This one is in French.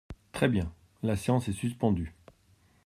Très bien ! La séance est suspendue.